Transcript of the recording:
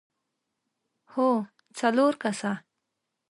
هو، څلور کسه!